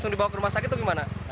ini bukan kecelakaan ya